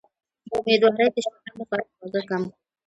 د امیدوارۍ د شکر لپاره خواږه کم کړئ